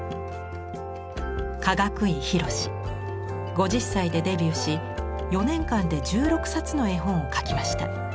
５０歳でデビューし４年間で１６冊の絵本を描きました。